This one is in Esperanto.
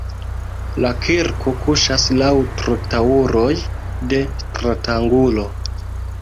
La kirko kuŝas laŭ trotuaroj de stratangulo.